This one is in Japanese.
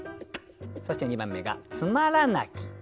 そして２番目が「つまらなき」。